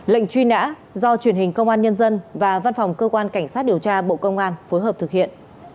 lệnh truy nã do truyền hình công an nhân dân và văn phòng cơ quan cảnh sát điều tra bộ công an phối hợp thực hiện